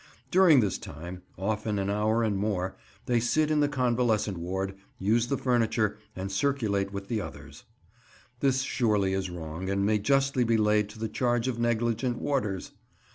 During this time—often an hour and more—they sit in the convalescent ward, use the furniture, and circulate with the others. This surely is wrong, and may justly be laid to the charge of negligent warders!